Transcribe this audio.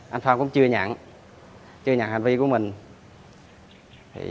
anh phong cũng chưa nhận hành vi của mình